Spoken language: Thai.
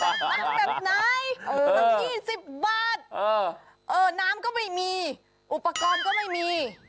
น้ำแบบไหนสัก๒๐บาทน้ำก็ไม่มีอุปกรณ์ก็ไม่มี